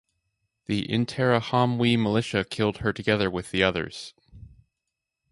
The Interahamwe militia killed her together with the others.